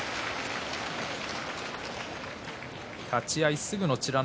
立ち合いすぐの美ノ